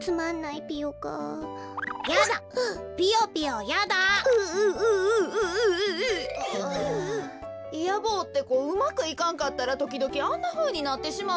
いや坊ってこうまくいかんかったらときどきあんなふうになってしまうんよ。